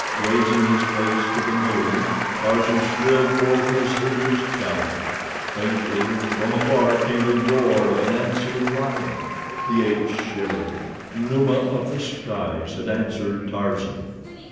Raising his face to the moon, Tarzan shrilled forth his hideous challenge. Faintly and from afar came the roar of an answering lion. The apes shivered. Numa of the skies had answered Tarzan.